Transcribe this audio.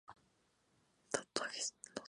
Son estables químicamente ante ácidos y bases.